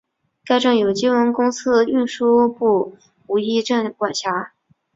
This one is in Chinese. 该站由金温公司运输部武义站管辖。